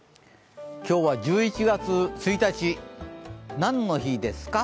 今日は１１月１日、何の日ですか？